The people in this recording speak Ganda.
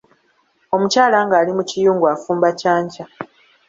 Omukyala ng'ali mu kiyungu affumba kya nkya.